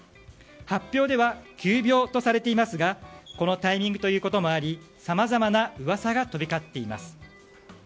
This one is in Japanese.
発表では急病とされていますがこのタイミングということもありさまざまな噂が飛び交っています。